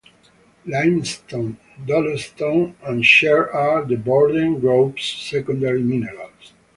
Limestone, dolostone, and chert are the Borden Group's secondary minerals.